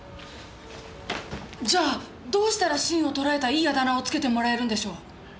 じゃあどうしたら芯をとらえたいいあだ名を付けてもらえるんでしょう？